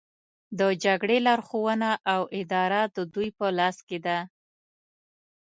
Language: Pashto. د جګړې لارښوونه او اداره د دوی په لاس کې ده